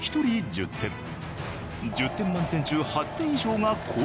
１０点満点中８点以上が高評価。